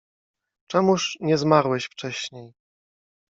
Czemuż nie zmarłeś wcześniej?